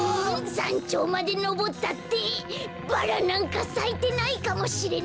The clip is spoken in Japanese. さんちょうまでのぼったってバラなんかさいてないかもしれないのに。